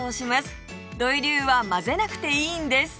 土井流は混ぜなくていいんです！